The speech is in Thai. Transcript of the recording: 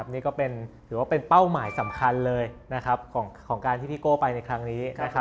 นี่ก็ถือว่าเป็นเป้าหมายสำคัญเลยของการที่พี่โก้ไปในครั้งนี้